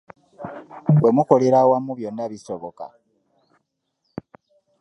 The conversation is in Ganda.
Bwe mukolera awamu byonna bisoboka.